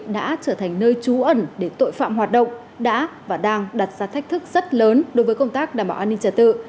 đã trở thành nơi trú ẩn để tội phạm hoạt động đã và đang đặt ra thách thức rất lớn đối với công tác đảm bảo an ninh trật tự